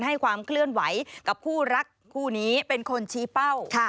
ให้ความเคลื่อนไหวกับคู่รักคู่นี้เป็นคนชี้เป้า